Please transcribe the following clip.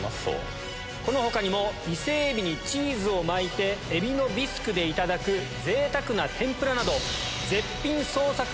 この他にも伊勢海老にチーズを巻いてエビのビスクでいただく贅沢な天ぷらなど。